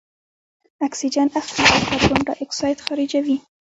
اکسیجن اخلي او کاربن دای اکساید خارجوي.